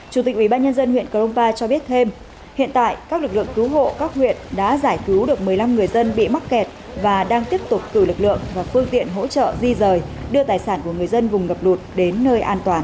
chủ tịch ubnd huyện cờ rông pa cho biết thêm hiện tại các lực lượng cứu hộ các huyện đã giải cứu được một mươi năm người dân bị mắc kẹt và đang tiếp tục cử lực lượng và phương tiện hỗ trợ di rời đưa tài sản của người dân vùng ngập lụt đến nơi an toàn